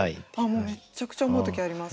もうめっちゃくちゃ思う時あります。